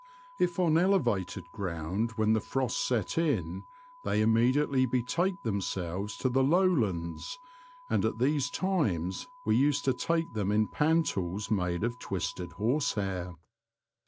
If on elevated ground when the frost set in, they immediately betake themselves to the lowlands, and at these times we used to take them in panties made of twisted horsehair.